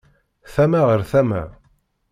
Tama ɣer tama.